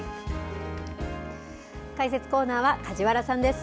解説コーナーは梶原さんです。